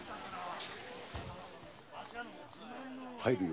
入るよ。